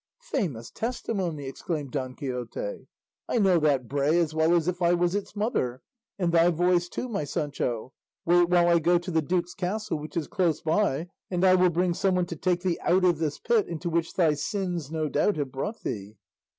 "Famous testimony!" exclaimed Don Quixote; "I know that bray as well as if I was its mother, and thy voice too, my Sancho. Wait while I go to the duke's castle, which is close by, and I will bring some one to take thee out of this pit into which thy sins no doubt have brought thee."